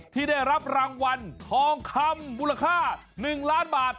ที่ได้รับรางวัลทองคำมูลค่า๑ล้านบาท